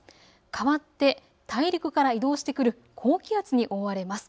かわって大陸から移動してくる高気圧に覆われます。